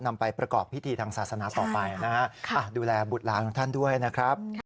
นำไปประกอบพิธีทางศาสนาต่อไปนะฮะดูแลบุตรหลานของท่านด้วยนะครับ